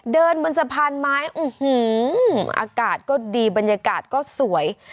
เดินบนสะพานไม้อากาศก็ดีบรรยากาศก็สวย